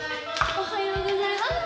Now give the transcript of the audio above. おはようございます。